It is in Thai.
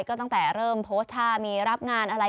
ก็ตั้งแต่เริ่มโพสต์ท่ามีรับงานอะไร